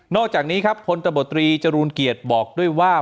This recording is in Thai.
อกจากนี้ครับพลตบตรีจรูลเกียรติบอกด้วยว่า